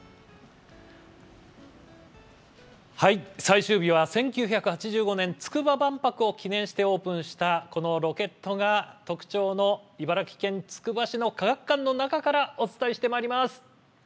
最終日は１９８５年つくば万博を記念してオープンした、このロケットが特徴の茨城県つくば市の科学館からお伝えしていきます。